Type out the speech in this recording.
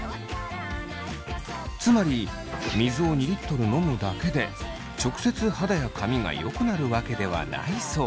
つまり水を２リットル飲むだけで直接肌や髪がよくなるわけではないそう。